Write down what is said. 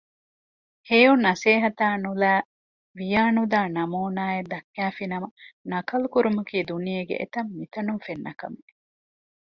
ހެޔޮ ނަސޭހަތާ ނުލައި ވިޔާނުދާ ނަމޫނާއެއް ދައްކައިފިނަމަ ނަކަލު ކުރުމަކީ ދުނިޔޭގެ އެތަންމިތަނުން ފެންނަ ކަމެއް